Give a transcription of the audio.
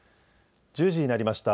１０時になりました。